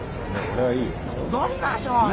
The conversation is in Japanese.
踊りましょうよ。